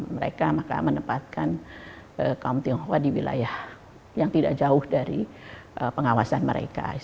mereka maka menempatkan kaum tionghoa di wilayah yang tidak jauh dari pengawasan mereka